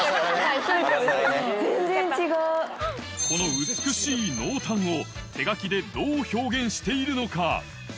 この美しい濃淡を手書きでどう表現しているのか。